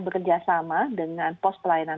bekerjasama dengan post pelayanan